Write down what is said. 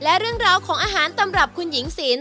และเรื่องราวของอาหารตำรับคุณหญิงสิน